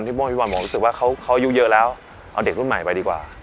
พี่บอลบอกว่าเขายุ่งเยอะแล้วเอาเด็กรุ่นใหม่ไปดีกว่า